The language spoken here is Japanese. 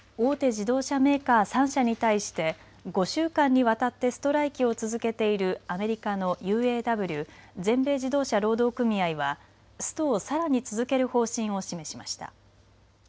自動車メーカー３社に対して５週間にわたってストライキを続けているアメリカのＵＡＷ・全米自動車労働組合はストをさらに続ける方針を示しました。